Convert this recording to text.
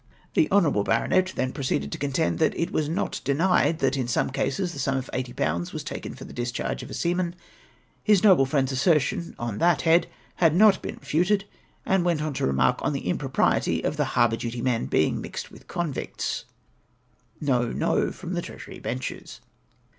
" Tlie honourable baronet then proceeded to contend that as it was not denied that in some cases the sum of 80/. was taken for the discharge of a seaman, his noble friend's asser tion on that head had not been refided, and went on to remark on the impropriety of the harbour duty men being mixed with convicts (" No, no," from the Treasury benches).